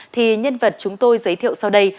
thì nhân vật chúng tôi giới thiệu sau đây